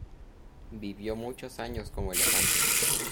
Vivió muchos años como elefante.